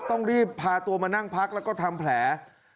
ต้องรีบพาตัวมานั่งพักแล้วก็ทำแผล